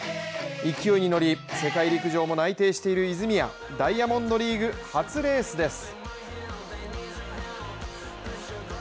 勢いに乗り世界陸上も内定している泉谷、ダイヤモンドリーグ初レースです。